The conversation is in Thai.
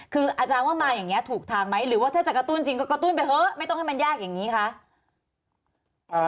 คืออาจารย์ว่ามาอย่างนี้ถูกทางไหมหรือว่าถ้าจะกระตุ้นจริงก็กระตุ้นไปเถอะไม่ต้องให้มันยากอย่างนี้คะ